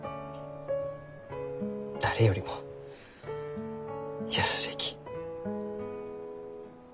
誰よりも優しいき。